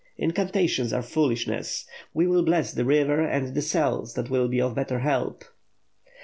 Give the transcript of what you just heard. "Incantations are foolishness! We will bless the river and the cells that will be of better help."